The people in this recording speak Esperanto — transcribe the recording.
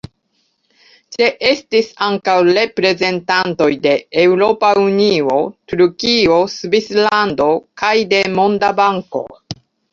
Ĉeestis ankaŭ reprezentantoj de Eŭropa Unio, Turkio, Svislando kaj de Monda Banko.